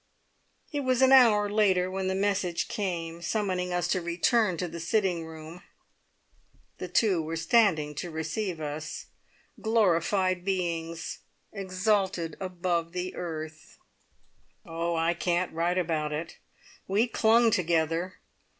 It was an hour later when the message came summoning us to return to the sitting room. The two were standing to receive us glorified beings, exalted above the earth. Oh, I can't write about it! We clung together.